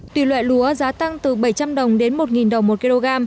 tùy loại lúa giá tăng từ bảy trăm linh đồng đến một đồng một kg